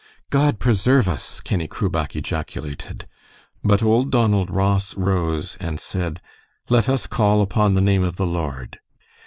"God preserve us!" Kenny Crubach ejaculated; but old Donald Ross rose and said, "Let us call upon the name of the Lord."